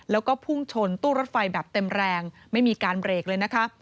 แล้วก็พุ่งชนตู้รถไฟแบบเต็มแรงไม่มีการเบรกเลยนะคะ